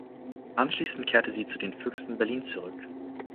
Anschließend kehrte sie zu den Füchsen Berlin zurück.